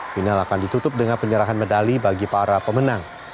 final akan ditutup dengan penyerahan medali bagi para pemenang